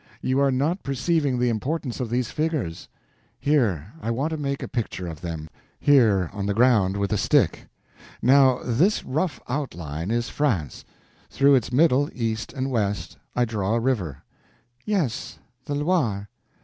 You are not perceiving the importance of these figures. Here—I want to make a picture of them, here on the ground with a stick. Now, this rough outline is France. Through its middle, east and west, I draw a river." "Yes, the Loire."